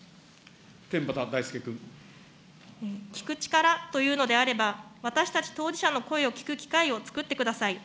聞く力というのであれば、私たち当事者の声を聞く機会をつくってください。